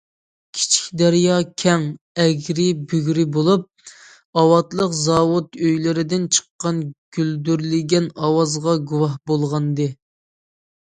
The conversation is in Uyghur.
كىچىك دەريا كەڭ، ئەگرى- بۈگرى بولۇپ، ئاۋاتلىق، زاۋۇت ئۆيلىرىدىن چىققان گۈلدۈرلىگەن ئاۋازغا گۇۋاھ بولغانىدى.